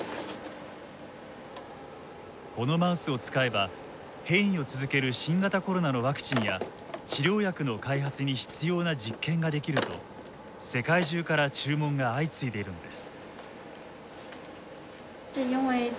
このマウスを使えば変異を続ける新型コロナのワクチンや治療薬の開発に必要な実験ができると世界中から注文が相次いでいるのです。